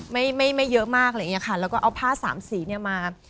ไม่เยอะมากแล้วก็เอาผ้าสามสีเนี่ยมา